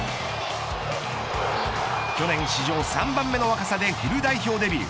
去年、史上３番目の若さでフル代表デビュー。